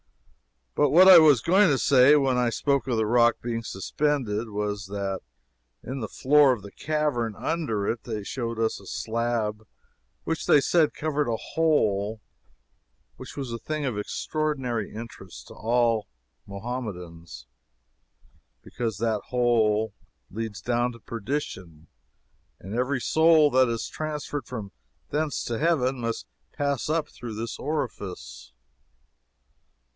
But what I was going to say, when I spoke of the rock being suspended, was, that in the floor of the cavern under it they showed us a slab which they said covered a hole which was a thing of extraordinary interest to all Mohammedans, because that hole leads down to perdition, and every soul that is transferred from thence to Heaven must pass up through this orifice.